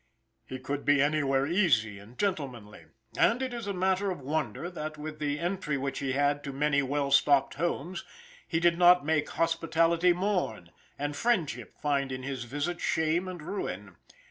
He could be anywhere easy and gentlemanly, and it is a matter of wonder that with the entry which he had to many well stocked homes, he did not make hospitality mourn and friendship find in his visit shame and ruin.